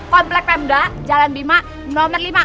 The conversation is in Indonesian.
komplek pemda jalan bima nomor lima